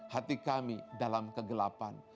hati kami dalam kegelapan